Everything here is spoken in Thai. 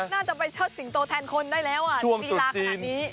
น่าจะไปเชิดสิงโตแทนคนได้แล้วช่วงศุลจีน